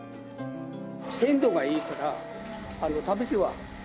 鮮度がいいから食べては全然違う。